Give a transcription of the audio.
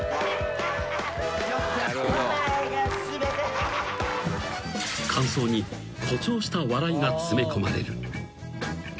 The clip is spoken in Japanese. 「ハハッ」［間奏に誇張した笑いが詰め込まれる］